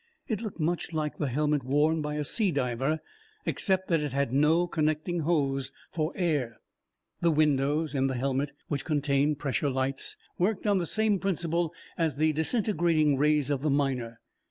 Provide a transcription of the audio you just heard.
It looked much like the helmet worn by a sea diver, except that it had no connecting hose for air. The windows in the helmet, which contained pressure lights, worked on the same principle as the disintegrating rays of the Miner.